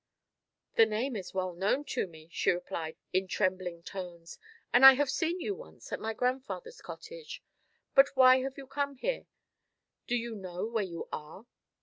"The name is well known to me," she replied, in trembling tones; "and I have seen you once at my grandfather's cottage. But why have you come here? Do you know where you are?